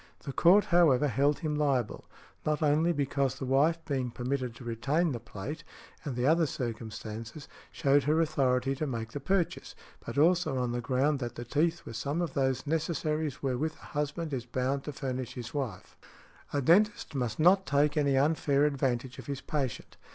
The Court, however, held him liable, not only because the wife being permitted to retain the plate, and the other circumstances, showed her authority to make the purchase, but also on the ground that the teeth were some of those necessaries wherewith a husband is bound to furnish his wife . A dentist must not take any unfair advantage of his patient.